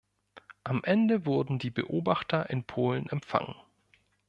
Am Ende wurden die Beobachter in Polen empfangen.